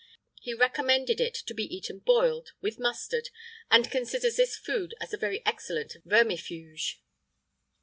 [IX 28] He recommended it to be eaten boiled, with mustard, and considers this food as a very excellent vermifuge.